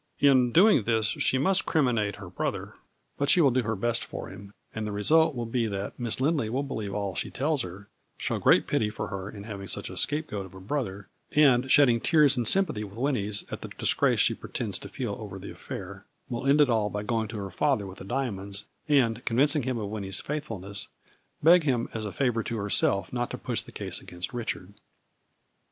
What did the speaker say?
In doing this she must criminate her brother, but she will do her best for him, and the result will be that Miss Lindley will believe all she tells her, show great pity for her in having such a scapegoat of a brother, and, shedding tears in sympathy with Winnie's at the disgrace she pretends to feel over the affair, will end it all by going to her father with the diamonds, and, convincing him of Winnie's faithfulness, beg him as a favor to herself not to push the case against Richard.